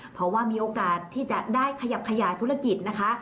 เพราะว่ามีโอกาสที่จะได้ขยับขยายธุรกิจนะคะ